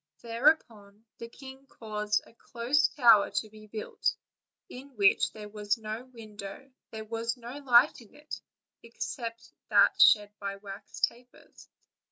Thereupon the king caused a close tower to be built, in which there was no window; there was no light in it, except that shed by wax tapers.